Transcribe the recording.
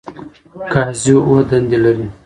قاضی اووه دندې لري.